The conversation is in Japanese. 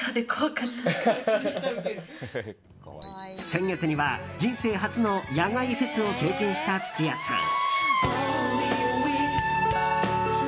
先月には人生初の野外フェスを経験した土屋さん。